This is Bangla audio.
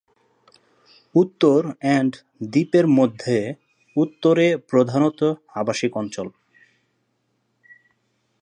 উত্তর এন্ড দ্বীপের মধ্য-উত্তরে প্রধানত আবাসিক অঞ্চল।